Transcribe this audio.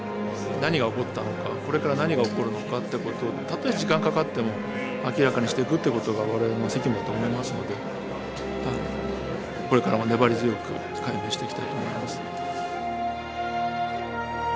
何が起こったのかこれから何が起こるのかって事をたとえ時間かかっても明らかにしていくって事が我々の責務だと思いますのでこれからも粘り強く解明していきたいと思います。